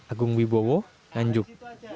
agung wibowo nanjuk